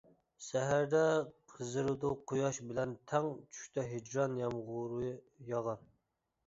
سەھەردە قىزىرىدۇ قۇياش بىلەن تەڭ چۈشتە ھىجران يامغۇرى ياغار.